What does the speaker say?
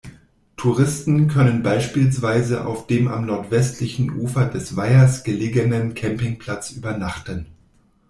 Touristen können beispielsweise auf dem am nordwestlichen Ufer des Weihers gelegenen Campingplatz übernachten.